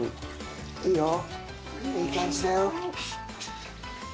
いいよいい感じだよ。